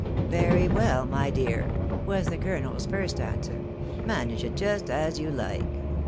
" Very well, my dear," was the colonel's first answer ;" manage it just as you like.